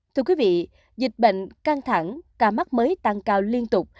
thưa quý vị dịch bệnh căng thẳng ca mắc mới tăng cao liên tục